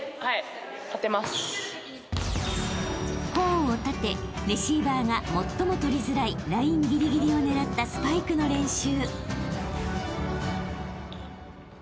［コーンを立てレシーバーが最も取りづらいラインぎりぎりを狙ったスパイクの練習］